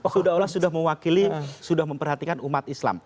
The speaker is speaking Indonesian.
sudah allah sudah mewakili sudah memperhatikan umat islam